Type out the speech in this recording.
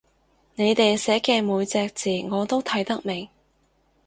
你哋寫嘅每隻字我都睇得明